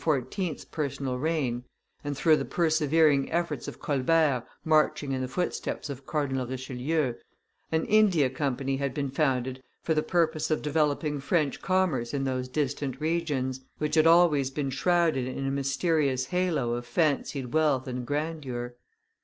's personal reign, and through the persevering efforts of Colbert marching in the footsteps of Cardinal Richelieu, an India Company had been founded for the purpose of developing French commerce in those distant regions, which had always been shrouded in a mysterious halo of fancied wealth and grandeur.